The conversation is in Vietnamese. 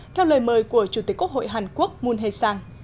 theo lời mời của chủ tịch quốc hội hàn quốc moon hee sang